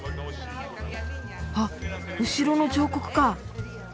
あっ後ろの彫刻か。